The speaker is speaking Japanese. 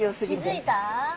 気付いた？